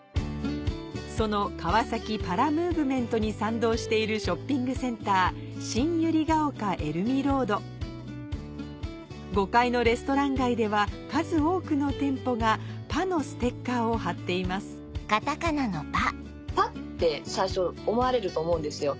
その「かわさきパラムーブメント」に賛同しているショッピングセンター５階のレストラン街では数多くの店舗が「パ」のステッカーを貼っています「パ」？って最初思われると思うんですよ。